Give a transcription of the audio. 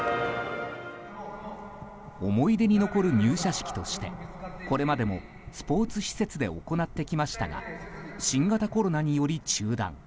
思い出に残る入社式としてこれまでもスポーツ施設で行ってきましたが新型コロナにより中断。